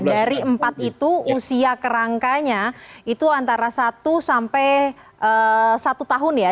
dari empat itu usia kerangkanya itu antara satu sampai satu tahun ya